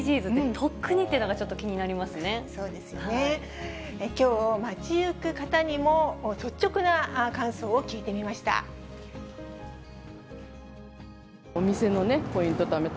とっくにっていうのが、ちょっとそうですよね、きょう、街行く方にも率直な感想を聞いてみました。